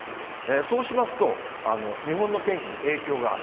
そうしますと、日本の天気に影響がある。